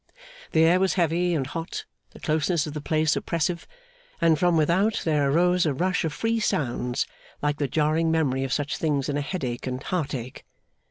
The air was heavy and hot; the closeness of the place, oppressive; and from without there arose a rush of free sounds, like the jarring memory of such things in a headache and heartache.